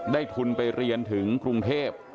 ทุนไปเรียนถึงกรุงเทพ